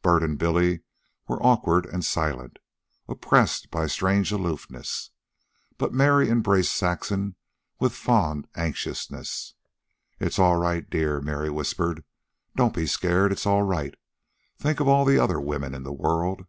Bert and Billy were awkward and silent, oppressed by a strange aloofness. But Mary embraced Saxon with fond anxiousness. "It's all right, dear," Mary whispered. "Don't be scared. It's all right. Think of all the other women in the world."